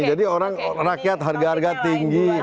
jadi orang rakyat harga harga tinggi